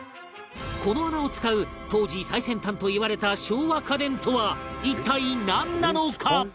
この穴を使う当時最先端といわれた昭和家電とは一体なんなのか？